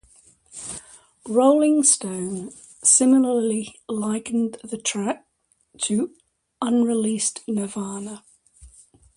"Rolling Stone" similarly likened the track to "unreleased Nirvana".